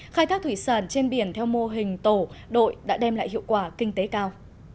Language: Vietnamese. khai thác thủy sản trên biển theo mô hình tổ đội đã đem lại hiệu quả kinh tế cao